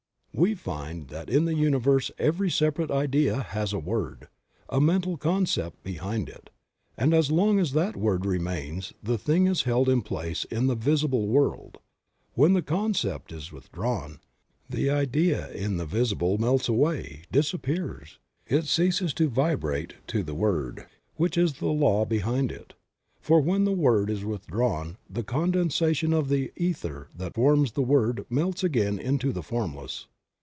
"WfE find that in the Universe every separate idea has a word, a mental concept behind it, and as long as that word remains the thing is held in place in the visible world; when the concept is withdrawn the idea in the visible melts away, disappears ; it ceases to vibrate to the word, which is the law behind it, for when the word is withdrawn the condensation of the ether that forms the word melts again into the formless.